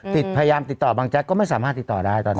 พยายามติดต่อบางแจ๊กก็ไม่สามารถติดต่อได้ตอนนี้